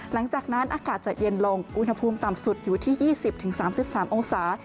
หลังจากนั้นอากาศจะเย็นลงอุณหภูมิต่ำสุดอยู่ที่ยี่สิบถึงสามสิบสามองศา